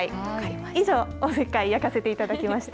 以上、おせっかい焼かせていただきました。